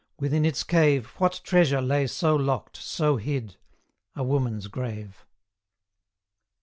within its cave What treasure lay so locked, so hid? A woman's grave.